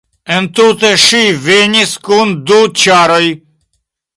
Entute ŝi venis kun du ĉaroj.